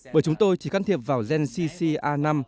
bởi chúng tôi chỉ can thiệp vào gen ccr năm